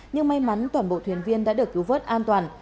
nhưng may mắn toàn bộ thuyền viên đã được cứu vớt an toàn